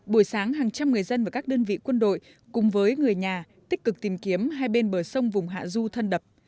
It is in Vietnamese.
buổi sáng hàng trăm người dân và các đơn vị quân đội cùng với người nhà tích cực tìm kiếm hai bên bờ sông vùng hạ du thân đập